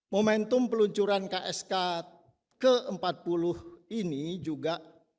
momentum peluncuran ksk ke empat puluh ini juga